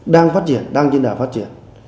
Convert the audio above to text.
đang phát triển đang diễn đảm phát triển